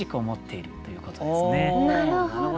なるほど。